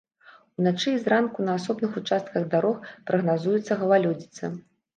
Уначы і зранку на асобных участках дарог прагназуецца галалёдзіца.